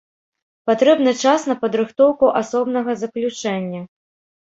Патрэбны час на падрыхтоўку асобнага заключэння.